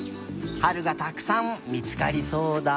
はるがたくさんみつかりそうだ。